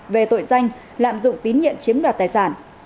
về tội danh lạm dụng tín nhiệm chiếm đoạt tài sản